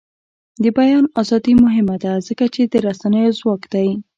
د بیان ازادي مهمه ده ځکه چې د رسنیو ځواک دی.